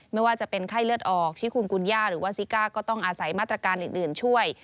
ไม่ว่าจะเป็นไข้เลือดออกที่คุณกุญย่าหรือว่าซิก้าก็ต้องอาศัยมาตรการอื่นช่วย